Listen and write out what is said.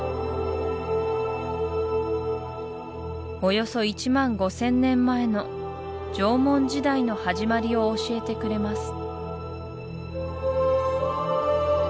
およそ１５０００年前の縄文時代の始まりを教えてくれます